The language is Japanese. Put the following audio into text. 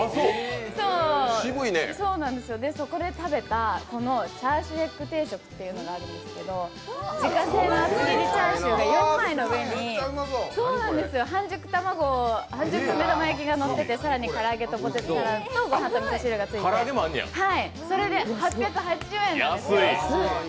そこで食べたチャーシューエッグ定食というのがあるんですけど自家製の厚切りチャーシューが４枚の上に半熟の目玉焼きがのっていて、更に唐揚げとポテトサラダとごはんとみそ汁がついてそれで８８０円なんです。